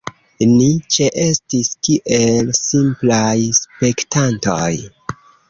Ni ĉeestis kiel simplaj spektantoj.